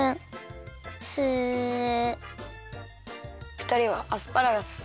ふたりはアスパラガスすき？